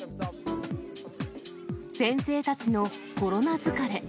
先生たちのコロナ疲れ。